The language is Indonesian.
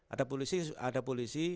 ada polisi ada polisi